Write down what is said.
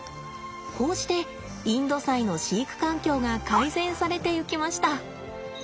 こうしてインドサイの飼育環境が改善されていきました。